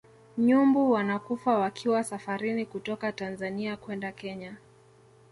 nyumbu wanakufa wakiwa safarini kutoka tanzania kwenda kenya